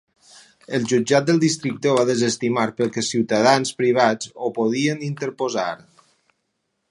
El jutjat del districte ho va desestimar perquè els ciutadans privats ho podien interposar.